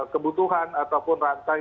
kebutuhan ataupun rantai